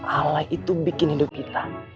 halai itu bikin hidup kita